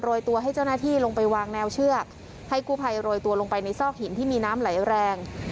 โดยตัวให้เจ้าหน้าที่ลงไปวางแนวเชือกให้กู้ภัยโรยตัวลงไปในซอกหินที่มีน้ำไหลแรง